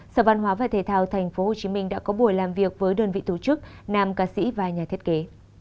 sở văn hóa và thể thao tp hcm đã có buổi làm việc với đơn vị tổ chức nam ca sĩ và nhà thiết kế